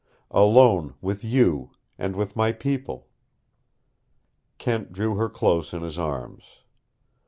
Alone with you, and with my people." Kent drew her close in his arms.